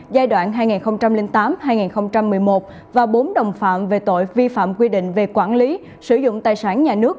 giai đoạn hai nghìn tám hai nghìn một mươi một và bốn đồng phạm về tội vi phạm quy định về quản lý sử dụng tài sản nhà nước